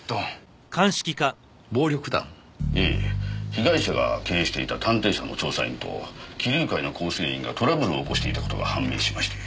被害者が経営していた探偵社の調査員と貴龍会の構成員がトラブルを起こしていた事が判明しまして。